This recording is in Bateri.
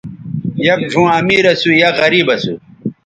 یک ڙھؤں امیر اسُو ،یک غریب اسُو